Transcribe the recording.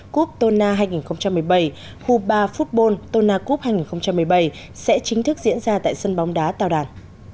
cup tona hai nghìn một mươi bảy khu ba football tona cup hai nghìn một mươi bảy sẽ chính thức diễn ra tại sân bóng đá tào đàn